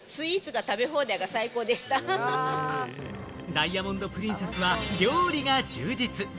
ダイヤモンド・プリンセスは料理が充実。